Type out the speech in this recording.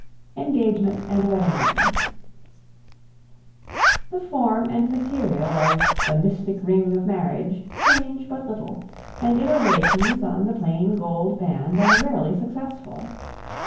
Engagement and Wedding Rings. The form and material of "the mystic ring of marriage" change but little, and innovations on the plain gold band are rarely successful.